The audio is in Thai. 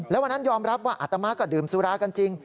แล้ววันนั้นยอมรับว่าอัตมาก็ดื่มสุรากันจริง